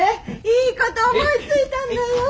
いいこと思いついたんだよ！